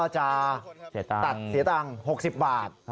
ตัดเสียตัง๖๐บาท